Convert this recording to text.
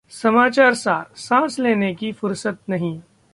समाचार सारः सांस लेने की फुर्सत नहीं